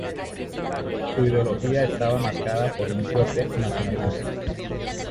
Su ideología estaba marcada por un fuerte nacionalismo.